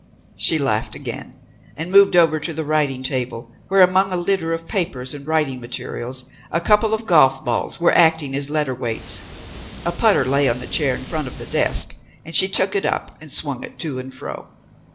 She laughed again, and moved over to the writing table, where, among a litter of papers and writing materials, a couple of golf balls were acting as letter weights. A putter lay on the chair in front of the desk, and she took it up and swung it to and fro.